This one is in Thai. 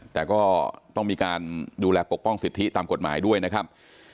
แต่ก็ต้องมีการดูแลปกป้องสิทธิตามกฎหมายด้วยนะครับ